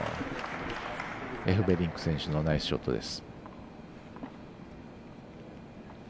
エフベリンク選手のナイスショットです。